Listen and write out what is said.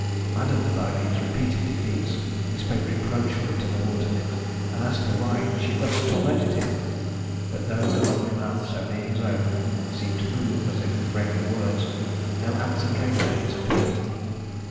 Maddened by these repeated defeats, he spoke reproachfully to the water nymph, and asked her why she thus tormented him; but though the lovely mouth so near his own seemed to move as if framing words, no answer came to his appeal.